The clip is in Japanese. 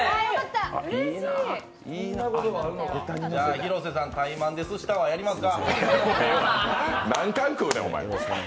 広瀬さん、タイマンで寿司タワーやりますか。